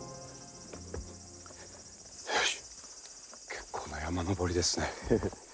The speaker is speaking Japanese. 結構な山登りですね。